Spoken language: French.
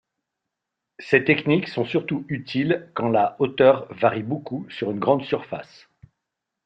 Ces techniques sont surtout utiles quand la hauteur varie beaucoup sur une grande surface.